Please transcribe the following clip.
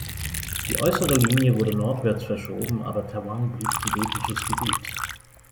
Die Äußere Linie wurde nordwärts verschoben, aber Tawang blieb tibetisches Gebiet.